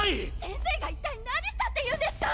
先生が一体何したって言うんですか！？